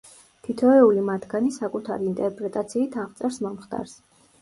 თითოეული მათგანი საკუთარი ინტერპრეტაციით აღწერს მომხდარს.